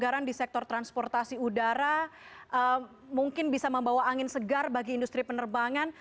agar di sektor transportasi udara mungkin bisa membawa angin segar bagi industri penerbangan